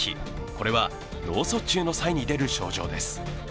これは脳卒中の際に出る症状です。